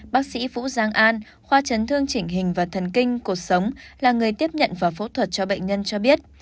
bác sĩ vũ giang an khoa chấn thương chỉnh hình và thần kinh cuộc sống là người tiếp nhận và phẫu thuật cho bệnh nhân cho biết